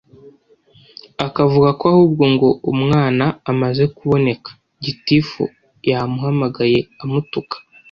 akavuga ko ahubwo ngo umwana amaze kuboneka Gitifu yamuhamagaye amutuka